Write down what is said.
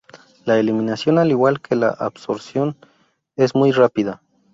La eliminación al igual que la absorción es muy rápida.